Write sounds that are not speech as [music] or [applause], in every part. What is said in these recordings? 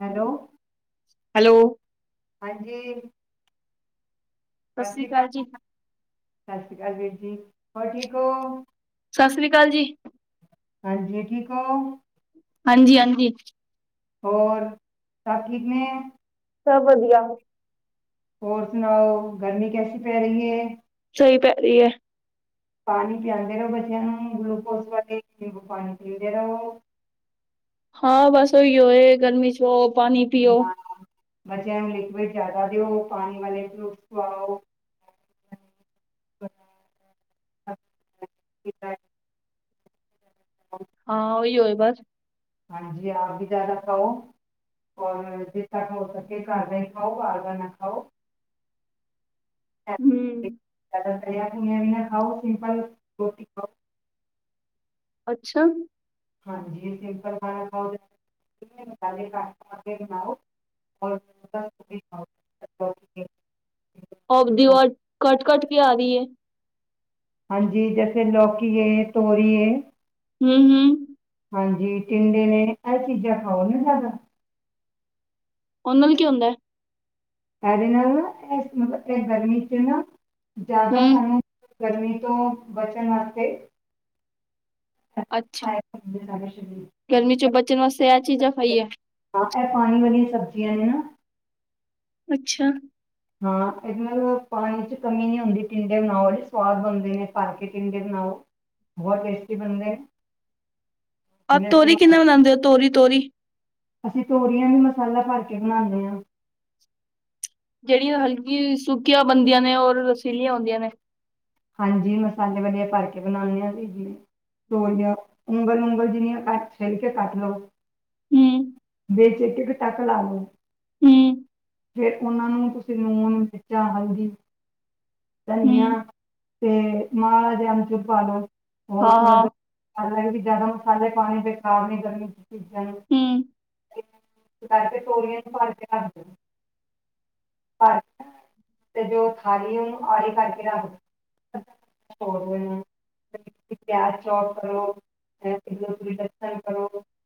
Hello hello ਹਾਂਜੀ ਸਤਿ ਸ੍ਰੀ ਅਕਾਲ ਜੀ ਸਤੀ ਅਕਾਲ ਵੀਰ ਜੀ ਹੋਰ ਠੀਕ ਹੋ ਸਤਿ ਸ੍ਰੀ ਅਕਾਲ ਜੀ ਹਾਂਜੀ ਠੀਕ ਹੋ ਹਾਂਜੀ ਹਾਂਜੀ ਔਰ ਤਕਦ ਨੇ ਸਭ ਵਧੀਆ ਹੋਰ ਸੁਣਾਓ ਗਰਮੀ ਕੈਸੀ ਪੈ ਰਹੀ ਹੈ ਸਹੀ ਪੈ ਰਹੀ ਹੈ ਪਾਣੀ ਪੀਂਦੇ ਰਹੋ ਬੱਚਿਆਂ ਨੂੰ ਗਲੂਕੋਸ ਵਾਲੇ ਨਿੰਬੂ ਪਾਣੀ ਪੀਂਦੇ ਰਹੋ ਹਾਂ ਬਸ ਉਹੀ ਹੋਏ ਗਰਮੀ ਚ ਬਹੁ ਪਾਣੀ ਪੀਓ ਹਾਂ, ਬੱਚਿਆਂ ਨੂੰ ਲਿਕਵਿਡ ਜ਼ਿਆਦਾ ਦਿਓ ਪਾਣੀ ਵਾਲੇ ਫਰੂਟਸ ਖਵਾਓ [unintelligible] ਹਾਂ ਹੀ ਹੋਏ ਬਸ ਜੇ ਆਪ ਵੀ ਜ਼ਿਆਦਾ ਖਾਓ ਔ ਜਿਸ ਤਰ ਖ ਹੋ ਸਕੇ ਘਰ ਦਾ ਹੀ ਖਾਓ ਆਰ ਦਾ ਨਾ ਖਾਓ ਹੂੰ, ਹ ਮ ਬਨਾਂ ਖਾਓ ਸਪਲ ਰੋਟੀ ਖਾਓ ਅੱਛਾ ਹਾਂਜੀ, ਸਿੰਪਲ ਖਾਓ ਤੇ ਮਸਾਲੇ ਘੱਟ ਪਾ ਕੇ ਬਣਾਓ। [inaudible] ਆਪ ਦੀ ਆਵਾਜ਼ ਕੱਟ ਕਟ ਆ ਰੀਏ। ਹਾਂਜੀ, ਜੈਸੇ ਲਕੀਏ ਤੋਰੀਏ ਹਂ, ਹਂ ਹਾਂਜੀ ਟਿੰਡੇ ਨੇਂ ਇਹ ਚੀਜ਼ਾਂ ਖਾਓ ਨਾਂ ਜ਼ਿਆਦਾ। ਉਹ ਨਾਲ ਕੀ ਹੁੰਦਾ ਐ। ਕਰ ਨੂੰ ਇਸ ਮ ਏ ਗਰਮੀ ਚ ਨਾਂ ਜ਼ਿਆਦਾ ਹੂੰ, ਸਮ ਗਰਮੀ ਤੋਂ ਬਚਣ ਆਸਤੇ ਅੱਛਾ [unintelligible] ਗਰਮੀ ਚੋਂ ਬਚਣ ਵਾਸਤੇ ਆ ਚੀਜ਼ ਖਾਈਐ। ਹਾਂ ਇਹ ਪਾਣੀ ਵਾਲੀਆਂ ਸਬਜ਼ੀਆਂ ਨੇਂ ਨਾਂ ਅੱਛਾ। ਹਾਂ, ਇਹਨਾਂ ਪਾਣੀ ਚ ਕਮੀ ਨਈਂ ਹੁੰਦੀ ਟਿੰਡੇ ਬਣਾਓੇ ਸਵਾਦ ਬਣਦੇ ਨੇ, ਭਰ ਕੇ ਟਿੰਡੇ ਬਣਾਓ ਬਹੁਤ ਟੇਸ ਟੀ ਬਣਦੇ ਨੇਂ। ਆ ਤੋਰੀ ਕਿੰਨਾ ਬਣਾਂਦੇ ਹੋ ਤੋਰੀ ਤੋਰੀ। ਅਸੀਂ ਤੋਰੀਆਂ ਵੀ ਮਸਾਲਾ ਭਰ ਕੇ ਬਣਾਂਦੇ ਆਂ। ਜਿਹੜੀਆਂ ਹਲਕੀ ਚੂਕੀਆਂ ਬੰਦੀਆਂ ਨੇ ਔਰ ਚਿੱਲੀਆਂ ਹੁੰਦੀਆਂ ਨੇ। ਹਾਂਜੀ, ਮਸਾਲੇ ਵਾਲੀਆਂ ਭਰ ਕੇ ਬਣਾਂਣੇ ਆਂ ਜੀ, ਜੀ, ਤੋਰੀਆਂ ਉਂਗਲ, ਉਂਗਲ ਜਿੰਨੀਆਂ ਕੱਟ ਛਿਲ ਕੇ ਕੱਟ ਲੋ। ਹਂ। ਵਿਚ ਇੱਕ-ਇੱਕ ਟੱਕ ਲਾ ਲੋ। ਹਂ। ਫਿਰ ਉਹਨਾਂ ਨੂੰ ਤੁਸੀਂ ਲੂਣ, ਮਿਰਚਾਂ, ਹਲਦੀ, ਧਨੀਆ ਹੂੰ, ਤੇ ਮਾੜਾ ਜਿਆ ਅੰਬਚੂਰ ਪਾਲੋ। ਹੋਰ ਥੋੜਾ ਹਾਂ-ਹਾਂ, ਜਿਹਾ, ਮਸਾਲਾ ਇਹਦੇ ਵਿੱਚ ਜਿਆਦਾ ਮਸਾਲੇ ਪਾਣੀ ਬੇਕਾਰੀ ਗਰਮੀ ਚ ਸਜ ਹੂੰ। ਕਰਕੇੋ ਤੋਲੀਏ ਨੂੰ ਭਰ ਕੇ ਰੱਖ ਦਿ ਭਰ ਤੇ ਜੋ ਥਾਲੀ ਉਹਨੂੰ ਆੜੀ ਕਰਕੇ ਰੱਖਦੋ। ਪਿਆ ਚੌ [unintelligible] ਕਰੋ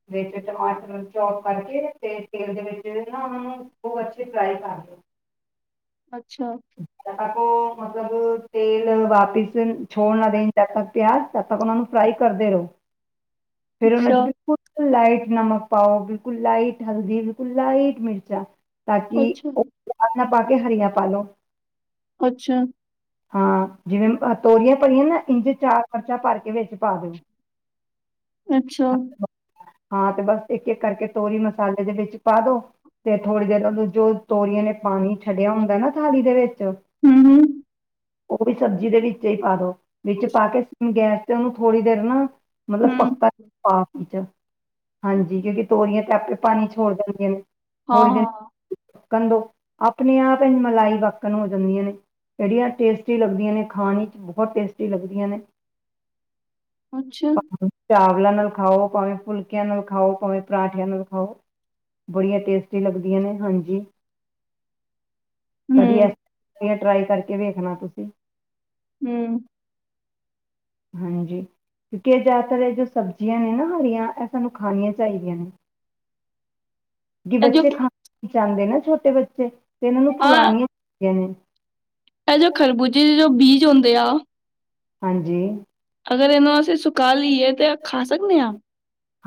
ਟਮਾਟਰ [inaudible] ਚੌਪ ਕਰਕੇ ਤੇ ਤੇਲ ਦੇ ਵਿੱਚ ਨਾਂ ਉਹਨਾਂ ਨੂੰ ਬ ਅੱਛੀ ਫਰਾਈ ਕਰ ਦੋ। ਅੱਛਾ, ਤਾ ਕੋ ਮਤਲਬ ਤੇਲ ਵਾਪਿਸ ਛੋੜਨਾ ਦੇਣ ਜਦ ਤੱਕ ਪਿਆਜ਼ ਤਦ ਤੱਕ ਉਹਨਾਂ ਨੂੰ ਫਰਾਈ ਕਰਦੇ ਰਹੋ ਫੇਿਰ ਉਹਨਾ ਚ ਅੱਛਾ, ਬਿਲਕੁਲ ਲਾਈਟ ਨਮਕ ਪਾਓ ਬਿਲਕੁਲ ਲਾਈਟ ਹਲਦੀ ਬਿਲਕੁਲ ਲਾਈਟ ਮਿਰਚਾਂ ਤਾਂ ਕਿ ਅੱਛਾ, ਉਹ ਪਿਆਜ ਨਾ ਪਾ ਕੇ ਹਰੀਆਂ ਪਾਾਲੋ ਅੱਛਾ ਹਾਂ ਜਿਵੇਂ ਤੋਰੀਆਂ ਭਰੀਆਂ ਨਾ ਇੰਝ ਚਾਰ ਮਰਚਾ ਭਰ ਕੇ ਵਿੱਚ ਪਾ ਦਿਓ, ਅੱਛਾ,,, ਹਾਂ ਤੇ ਬਸ ਇੱਕ ਇੱਕ ਕਰਕੇ ਤੋਰੀ ਮਸਾਲੇ ਦੇ ਵਿੱਚ ਪਾ ਦੋ ਤੇ ਥੋੜ੍ਹੀ ਦੇਰ ਉਹਨੂੰ ਜੋ ਤੋਰੀਆਂ ਨੇ ਪਾਣੀ ਛੱਡਿਆ ਹੁੰਦਾ ਨਾ ਥੋੜੀ ਦੇ ਵਿੱਚ, ਹੂੰ, [unintelligible] ਹੂੰ। ਉਹ ਵੀ ਸਬਜ਼ੀ ਦੇ ਵਿੱਚ ਹੀ ਪਾ ਦੋ ਵਿੱਚ ਪਾ ਕੇ ਗੈਸ ਤੇ ਉਹਨੂੰ ਥੋੜ੍ਹੀ ਦੇਰ ਨਾ, ਮਤਲਬ ਪੱਕਾ,,,, ਪਾ, ਹਾਂਜੀ ਕਿਉਂਕਿ ਤੋਰੀਆਂ, ਆਪੇ ਪਾਣੀ ਛੋੜ ਦੇਣਗੇ ਨੇ,,, ਥੋੜੀ ਦੇਰ ਹਾਂ-ਹਾਂ, ਬਾਦ ਦੋ ਆਪਣੇ ਆਪ ਮਲਾਈ ਵਕਣ ਹੋ ਜਾਂਦੀਆਂ ਨੇ, ਬੜੀਆਂ ਟੇਸਟੀ ਲੱਗਦੀਆਂ ਨੇ ਖਾਣ ਵਿੱਚ ਬਹੁਤ ਟੇਸਟੀ ਲੱਗਦੀਆਂ ਨੇ ਅੱਛਾ, [unintelligible] ਚਾਵਲਾਂ ਨਾਲ ਖਾਓ ਭਾਵੇਂ ਫੁਲਕਿਆਂ ਨਾਲ ਖਾਓ ਭਾਵੇਂ ਪਰਾਂਠਿਆਂ ਨਾਲ ਖਾਓ ਬੜੀਆਂ ਟੇਸਟੀ ਲੱਗਦੀਆਂ ਨੇ ਹਾਂਜੀ ਕਦੀ,,,,, ਹੂੰ, ਟਰਾਈ ਕਰਕੇ, ਕਿ ਵੇਖਣਾ ਤੁਸੀਂ ਹਮ ਹਾਂਜੀ ਕਿਉਂਕਿ ਇਹ ਜ਼ਿਆਦਾਤਰ ਇਹ ਜੋ ਸਬਜ਼ੀਆਂ ਨੇ ਨਾ ਹਰੀਆਂ ਇਹ ਸਾਨੂੰ ਖਣੀਆਂ ਚਾਹੀਦੀਆਂ ਨੇ ਇਹ ਜੋ ਬੱਚੇ ਖਾ ਜਾਂਦੇ ਨਾ ਛੋਟੇ ਬੱਚੇ ਤੇ ਇਹਨਾਂ ਨੂੰ ਹਾਂ, ਖਿਲਣੀਆਂ ਚਾਹੀਦੀਆਂ ਨੇ, ਇਹ ਜੋ ਖਰਬੂਜੇ ਦੀ ਜੋ? ਬੀਜ ਹੁੰਦੇ ਆ, ਹਾਂਜੀ, ਅਗਰ ਇਹਨੂੰ ਅਸੀਂ ਸੁਕਾ ਲਈਏ ਤੇ ਖਾ ਸਕਦੇ ਹਾਂ?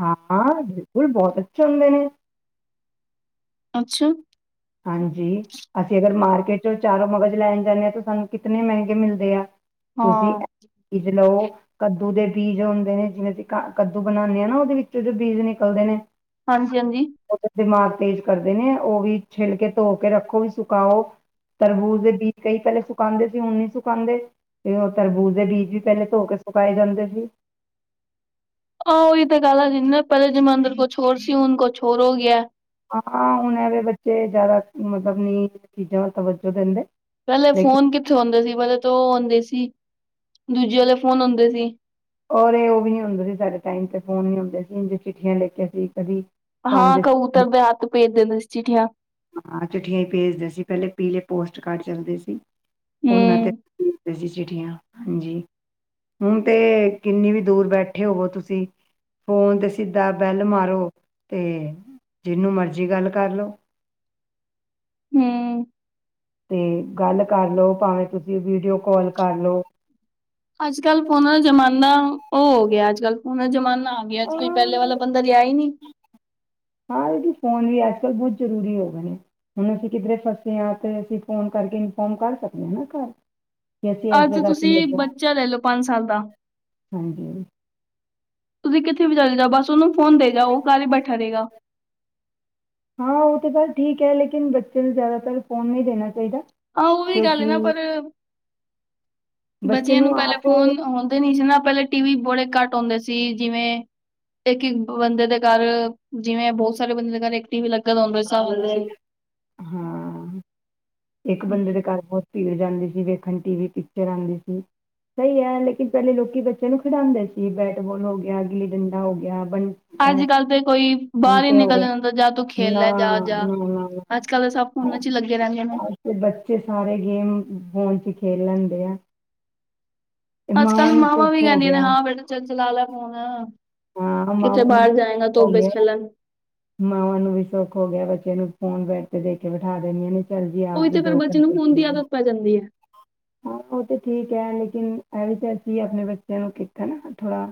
ਹਾਂ ਹਾਂ ਬਿਲਕੁਲ ਬਹੁਤ ਅੱਛੇ ਹੁੰਦੇ ਨੇ, ਅੱਛਾ, ਹਾਂਜੀ ਅਸੀਂ ਅਗਰ ਮਾਰਕੀਟ ਚੋਂ ਚਾਰੋਂ ਮਗਜ਼ ਲੈਣ ਜਾਂਦੇ ਹਾਂ ਤਾਂ ਸਾਨੂੰ ਕਿਤਨੇ ਮਹਿੰਗੇ ਮਿਲਦੇ ਆ, ਤੁਸ ਹਾਂ, ਬੀਜ ਲਓ, ਕੱਦੂ ਦੇ ਬੀਜ ਹੁੰਦੇ ਨੇ ਜਿਵੇਂ ਅਸੀਂ ਕ ਕੱਦੂ ਬਣਾਉਂਦੇ ਆਾਂ ਨਾ ਉਹਦੇ ਵਿੱਚ ਜੋ ਬੀਜ ਨਿਕਲਦੇ ਨੇ, ਹਾਂਜੀ ਹਾਂਜੀ, ਉਹਦੇ ਦਿਮਾਗ ਤੇਜ਼ ਕਰਦੇ ਨੇ ਉਹ ਵੀ? ਛਿੱਲ ਕੇ ਧੋ ਕੇ ਰੱਖੋ ਵੀ ਸੁਕਾਓ ਤਰਬੂਜ਼ ਦੇ ਬੀਜ ਕਈ ਪਹਿਲੇ ਸੁਕਾਉਦੇ ਸੀ ਹੁਣ ਨ ਸੁਕਾਉਂਦੇ ਤੇ ਉਹ ਤਰਬੂਜ਼ ਦੇ ਬੀਜ ਵੀ ਪਹਿਲੇ ਧੋ ਕੇ ਸੁਕਾਏ ਜਾਂਦੇ ਸੀ, ਆਹ ਉਹੀ ਤਾਂ ਗੱਲ ਆ ਸੀ ਨਾ ਪਹਿਲੇ ਜਮਾਨੇ ਕੁਛ ਹੋਰ ਸੀ ਹੁਣ ਕੁਛ ਹੋਰ ਹੋ ਗਿਆ, ਹਾਂ ਹੁਣ ਐਵੇਂ ਬੱਚੇ ਜ਼ਿਆਦਾ ਮਤਲਬ ਨੀ ਚੀਜ਼ਾਂ ਦਾ ਤਵੱਜੋ ਦਿੰਦੇ, ਪਹਿਲੇ ਲੇਕਿਨ ਫੋਨ ਕਿੱਥੇ ਹਉਂਦੇ ਸੀ, ਵਾਲੇ ਤੋਂ ਉਹ ਆਉਂਦੇ ਸੀ ਦੂਜੇ ਵਾਲੇ ਫੋਨ ਆਉਂਦੇ ਸੀ ਔਰ ਇਹ ਉਹ ਵੀ ਨੀ ਹੁੰਦਾ ਸੀ ਸਾਡੇ ਟਾਈਮ ਤੇ ਫੋਨ ਨ ਹੁੰਦੇ ਸੀ ਚਿੱਠੀਆਂ ਲਿਖਿਆ ਸੀ ਕਦੀ, ਹਾਂ ਪਾਉਂਦੇ ਸੀ ਕਬੂਤਰ ਦੇ ਹੱਥ ਭੇਜ ਦਿੰਦੇ ਸੀ ਚਿੱਠੀੀਆਂ ਹਾਂ ਚਿੱਠੀਆਂ ਹੀ ਭੇਜਦੇ ਸੀ ਪਹਿਲੇ ਪੀਲੇ ਪੋਸਟ ਕਾਰਡ ਚੱਲਦੇ ਸੀ ਉਹਨਾਂ ਤੇ ਹੂੰ, ਸੀ ਚਿੱਠੀਆਂ ਹਾਂਜੀ ਹੁਣ ਤੇ ਕਿੰਨੀ ਵੀ ਦੂਰ ਬੈਠੇ ਹੋਵੋ ਤੁਸੀਂ ਫੋਨ ਤੇ ਸਿੱਧਾ ਬੈਲ ਮਾਰੋ ਤੇ ਜਿਹਨੂੰ ਮਰਜ਼ੀ ਗੱਲ ਕਰ ਲਓ ਹਮ ਤੇ ਗੱਲ ਕਰ ਲਓ ਭਾਵੇਂ ਤੁਸੀਂ ਵੀਡੀਓ ਕਾਲ ਕਰ ਲਓ ਅੱਜ ਕੱਲ ਪੁਣਾ ਜਮਾਨਾ ਬੰ ਉਹ ਹੋ ਗਿਆ ਅੱਜ ਕੱਲ ਹੁਣ ਜ਼ਮਾਨਾ ਆ ਗਿਆੱ ਪਹਿਲੇ ਵਾਲਾ ਬੰਦਾ ਰਿਿਆ ਹੀ ਨਹੀਂੀ ਹਾਂ ਇਹਦੀ ਫੋਨ ਵੀ ਅੱਜ ਕੱਲ੍ਹ ਬਹੁਤ ਜ਼ਰੂਰੀ ਹੋ ਗਏ ਨੇ ਹੁਣ ਅਸੀਂ ਕਿੱਧਰੇ ਫਸੇ ਹਾਂ ਅਤੇ ਅਸੀਂ ਫ਼ੋਨ ਕਰਕੇ ਇਨਫੋਰਮ ਕਰ ਸਕਦੇ ਹਾਂ ਨਾ ਘਰ ਕਿ ਅਸੀਂ ਇਸ ਅੱਜ ਜਗ੍ਹਾ ਤੇ ਤੁਸੀਂ ਹੈਗੇ ਹਾਂ ਬੱਚਾ ਲੈ ਲਓ ਪੰਜ ਸਾਲ ਦਾ ਹਾਂਜੀ ਤੁਸੀਂ ਕਿੱਥੇ ਉੱਥੇ ਵੀ ਚਲੇ ਜਾ ਬਸ ਉਹਨੂੰ ਫੋਨ ਦੇ ਜਾਓ ਉਹ ਕੱਲ ਹੀ ਬੈਠਾ ਰਹੇਗਾ ਹਾਂ ਉਹ ਤਾਂ ਗੱਲ ਠੀਕ ਹੈ ਲੇਕਿਨ ਬੱਚੇ ਨੂੰ ਜ਼ਿਆਦਾਤਰ ਫੋਨ ਨਹੀਂ ਦੇਣਾ ਚਾਹੀਦਾ ਆਹੋ ਉਹ ਵੀ ਗੱਲ ਨਾ ਕਿਉਂਕਿ ਪਰ ਬੱਚੇ ਬੱਚਿਆਂ ਨੂੰ ਪਹਿਲੇ ਆਪ ਫੋਨ ਆਉਂਦੇ ਨੀ ਸੀ ਨਾ ਪਹਿਲੇ ਟੀਵ ਬੜੇ ਘੱਟ ਆਉਂਦੇ ਸੀ ਜਿਵੇਂ ਇੱਕ ਇੱਕ ਬੰਦੇ ਦੇ ਘਰ ਜਿਵੇਂ ਬਹੁਤ ਸਾਰੇ ਬੰਦੇ ਦੇ ਘਰ ਇੱਕ ਟੀਵ ਲੱਗ ਆਦੇ ਹਿਸਾਬ ਹਾਂ ਇੱਕ ਬੰਦੇ ਦੇ ਘਰ ਬਹੁਤ ਫੀਡ ਜਾਂਦੀ ਸੀ ਵੇਖਣ ਟੀ ਵੀ ਪਿਕਚਰ ਆਉਂਦੀ ਸੀ ਸਹੀ ਹੈ ਲੇਕਿਨ ਪਹਿਲੇ ਲੋਕੀ ਬੱਚਿਆਂ ਨੂੰ ਖਿਡਾਉਂਦੇ ਸੀ ਬੈਟਬਲ ਹੋ ਗਿਆ ਗਿੱਲੀ ਡੰਡਾ ਹੋ ਗਿਆ ਬੰ ਅੱਜ ਅਹ ਕੱਲ ਤੇ ਕੋਈ ਬਾਹਰ ਹੀ ਅੰਟੇ ਹੋ ਗਏ ਨਿਕਲਦਾ ਹੁੰਦਾ ਜਾਂ ਤੂੰ ਖੇਲ ਨਾ ਲੈ ਜਾ ਜਾ ਨਾ ਨਾ ਨਾ ਅੱਜ ਕੱਲ ਤਾਂ ਸਭ ਫੋਨਾਂ ਚ ਹੀ ਲੱਗੇ ਰਹਿੰਦੇ ਨੇ ਅੱਜ ਬੱਚੇ ਸਾਰੇ ਗੇਮ ਫੋਨ ਚ ਖੇਲਣ ਤੇ ਆ ਤੇ ਅੱਜ ਕੱਲ੍ਹ ਨੂੰ ਮਾਵਾਂ ਸੁੱਖ ਵੀ ਹੋ ਕਹਿੰਦੀਆਂ ਨੇ ਗਿਆ ਹਾਂ ਬੇਟਾ ਚੱਲ ਚਲਾ ਲਾ ਪਣਾ ਹਾਂ ਮਾਵਾਂ ਨੂੰ ਹੋ ਗਿਆ ਖੇਲਣ ਮਾਵਾਂ ਨੂੰ ਵੀ ਸੁੱਖ ਹੋ ਗਿਆ ਬੱਚੇ ਨੂੰ ਫੋਨ ਬੈ ਦੇ ਕੇ ਬਠਾ ਦੇਿੰਦੀੀਆਂ ਨੇ ਚੱਲ ਜ ਉਹੀ ਆਪ ਵੀ ਤੇ ਫਿਰ ਦੋ ਬੱਚੇ ਨੂੰ ਘੰਟੇ ਫੋਨ ਦੀ ਹਾਂ ਆਦਤ ਪੈ ਜਾਂਦੀ ਹੈ ਉਹ ਤਾਂ ਠੀਕ ਹੈ ਲੇਕਿਨ ਇਹ ਵੀ ਅਸੀਂ ਆਪਣੇ ਬੱਚਿਆਂ ਨੂੰ ਕਿਥ ਨਾ ਥੋੜਾ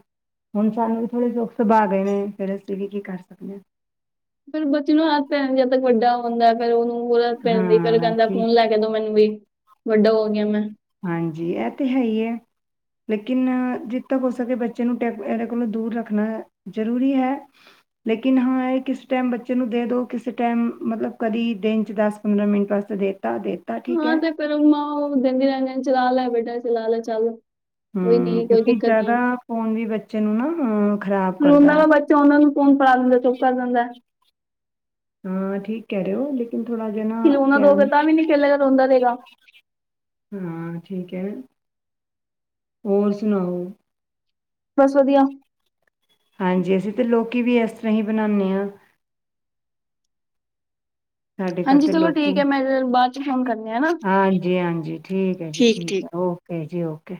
ਹੁਣ ਸਾਨੂੰ ਥੋੜੇ ਸੁ ਸੁਭਾਅ ਗਏ ਨੇ ਫਿਰ ਅਸੀਂ ਵੀ ਕੀ ਕਰ ਸਕਦੇ ਹਾਂ ਫਿਰ ਬੱਚੀ ਨੂੰ ਆ ਪ ਤ ਵੱਡਾ ਹੁੰਦਾ ਫਿਰ ਉਹਨੂੰਤ ਪੈਂਦੀ ਫਿਰਰ ਹਾਂ। ਹਾਂ ਕਹਿੰਦਾ ਠੀਕ ਫੋਨ ਲੈ ਕੇ ਦੋ ਮੈਨੂੰ ਵੀ ਵੱਡਾ ਹੋ ਗਿਆ ਮੈਂ ਹਾਂਜੀ ਇਹ ਤੇ ਹੈ ਹੀ ਹੈ ਲੇਕਿਨ ਜਿੱ ਤੱਕ ਹੋ ਸਕੇ ਬੱਚੇ ਨੂੰ ਟੈ ਇਹਦੇ ਕੋਲੋਂ ਦੂਰ ਰੱਖਣਾ ਜ਼ਰੂਰੀ ਹੈ ਲੇਕਿਨ ਹਾਂ ਇਹ ਕਿਸ ਟਾਈਮ ਬੱਚੇ ਨੂੰ ਦੇ ਦਿਉ ਕਿਸ ਟਾਈਮ ਮਤਲਬ ਕਦੀ ਦਿਨ 'ਚ ਦਸ ਪੰਦਰਾਂ ਮਿੰਟ ਵਾਸਤੇ ਦੇ ਤਾ ਦੇਤਾ ਠੀਕ ਹੈ ਗੰ ਰਗ ਚ ਲਾਲ ਹੈ ਬੇਟਾ ਚਲਾ ਲੇ ਚੱਲ, ਕੋਈ ਹੂੰ, ਨੀ ਕੋਈ ਕਿਉਂਕਿ ਦਿੱਕਤ ਨੀ ਜ਼ਿਆਦਾ ਹੈ ਫੋਨ ਵੀ ਬੱਚੇ ਨੂੰ ਨਾ ਅ ਖ਼ਰਾਬ ਕਰਦਾ ਹੈ। ਸਕੂਨ ਪਲਾ ਦਿੰਦਾ ਚੁੱਪ ਕਰ ਦਿੰਦਾ। ਹਾਂ ਠੀਕ ਕਹਿ ਰਹੇ ਹੋ, ਥੋੜਾ ਜਿਹਾ ਨਾ ਖਿਲੋਣਾ ਟੈਮ ਦੋਗੇ ਤਾਂ ਵੀ ਨੀ ਖੇਲੇਗਾ ਰੋਂਦਾ ਰਹੇਗਾ ਹਾਂ, ਠੀਕ ਹੈ ਹੋਰ ਸੁਣਾਓ। ਬਸ ਵਧੀਆ, ਹਾਂਜੀ, ਅਸੀਂ ਤੇ ਲੋਕੀ ਵੀ ਇਸ ਤਰ੍ਹਾਂ ਹੀ ਬਣਾਨੇ ਹਾਂ, ਸਾਡੇ ਘਰ ਹਾਂਜੀ ਦੇ ਚਲੋ ਲੋਕੀ ਠੀਕ ਹੈ ਮੈਂ ਬਾਅਦ ਚ ਫੋਨ ਕਰਨੀ ਆ ਨਾ ਹਾਂਜੀ-ਹਾਂਜੀ ਠੀਕ ਹੈ ਜੀ ਠੀਕ ਹੈ ਓਕੇ, ਜੀ ਓਕੇ,